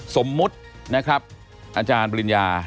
สมมุตินะครับอาจารย์ปริญญา